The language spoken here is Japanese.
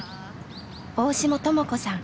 大志茂智子さん